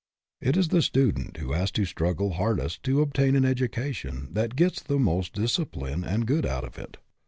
It is the student who has to struggle hardest to obtain an education that gets the most disci pline and good out of it.